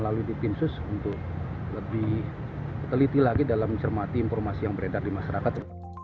kepala dit krimsus untuk lebih teliti lagi dalam cermati informasi yang beredar di masyarakat